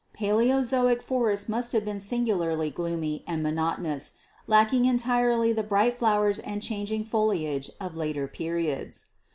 Paleozoic forests must have been singularly gloomy and monotonous, lacking entirely the bright flowers and changing foliage of later periods.